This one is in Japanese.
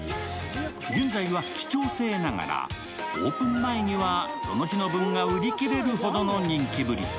現在は記帳制ながら、オープン前にはその日の分が売り切れるほどの人気ぶり。